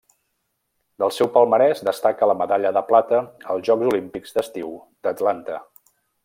Del seu palmarès destaca la medalla de plata als Jocs Olímpics d'estiu d'Atlanta.